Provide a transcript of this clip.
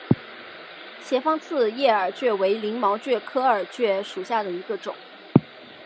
斜方刺叶耳蕨为鳞毛蕨科耳蕨属下的一个种。